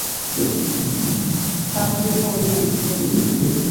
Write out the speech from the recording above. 扳机扣力很轻。